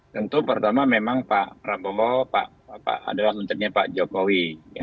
tentu pertama memang pak prabowo adalah menterinya pak jokowi